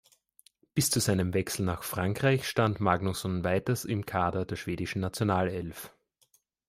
Bis zu seinem Wechsel nach Frankreich stand Magnusson weiters im Kader der schwedischen Nationalelf.